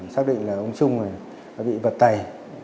xác định là ông trung bị vật tẩy